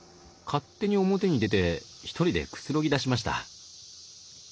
勝手に表に出て１人でくつろぎだしました。